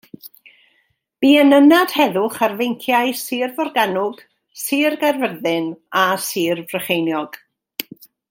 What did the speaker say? Bu yn ynad heddwch ar feinciau Sir Forgannwg, Sir Gaerfyrddin a Sir Frycheiniog.